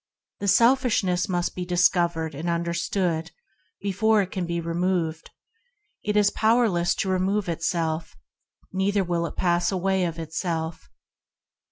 Selfishness must be dis covered and understood before it can be removed. It is powerless to remove itself, neither will it pass away of itself.